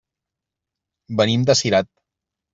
Venim de Cirat.